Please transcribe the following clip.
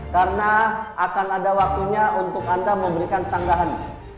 karena akan ada waktunya untuk anda memberikan sanggahan